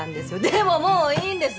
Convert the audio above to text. でももういいんです！